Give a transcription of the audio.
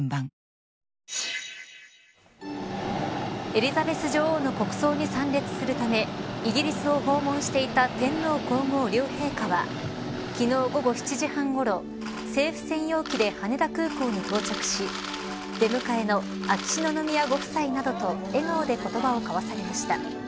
エリザベス女王の国葬に参列するためイギリスを訪問していた天皇皇后両陛下は昨日、午後７時半ごろ政府専用機で羽田空港に到着し出迎えの秋篠宮ご夫妻などと笑顔で言葉を交わされました。